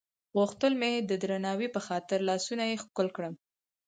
غوښتل مې د درناوي په خاطر لاسونه یې ښکل کړم.